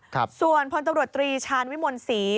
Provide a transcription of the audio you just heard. ค่ะส่วนพตรตรีชาญวิมวลศรี